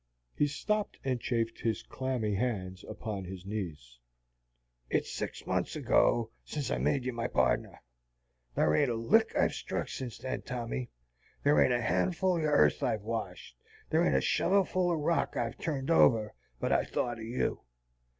He stopped and chafed his clammy hands upon his knees. "It's six months ago sens I made you my pardner. Thar ain't a lick I've struck sens then, Tommy, thar ain't a han'ful o' yearth I've washed, thar ain't a shovelful o' rock I've turned over, but I tho't o' you.